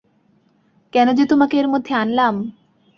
কেন যে তোমাকে এর মধ্যে আনলাম?